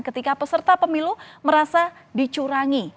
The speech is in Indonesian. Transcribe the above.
ketika peserta pemilu merasa dicurangi